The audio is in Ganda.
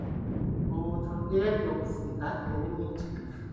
Omuntu eyajja mu kuziika yali muyitirivu.